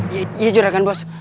iya juragan bos